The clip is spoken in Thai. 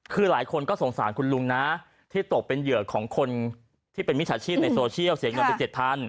คือหลายคนก็สงสารคุณลุงนะที่ตกเป็นเหยื่อของคนที่เป็นมิจฉาชีพในโซเชียลเสียเงินไป๗๐๐